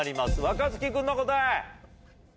若槻君の答え。